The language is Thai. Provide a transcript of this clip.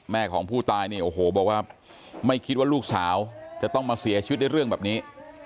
ของผู้ตายเนี่ยโอ้โหบอกว่าไม่คิดว่าลูกสาวจะต้องมาเสียชีวิตด้วยเรื่องแบบนี้